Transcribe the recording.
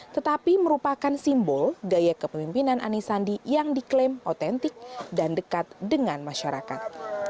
tetapi merupakan simbol gaya kepemimpinan anisandi yang diklaim otentik dan dekat dengan masyarakat